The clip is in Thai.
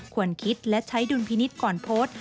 ควรคิดและใช้ดุลพินิษฐ์ก่อนโพสต์